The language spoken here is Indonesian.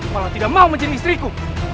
kalau tidak mau menjadi istriku